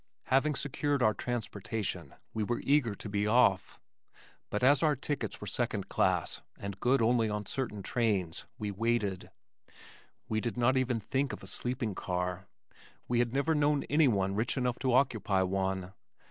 Having secured our transportation we were eager to be off, but as our tickets were second class, and good only on certain trains, we waited. We did not even think of a sleeping car. We had never known anyone rich enough to occupy one.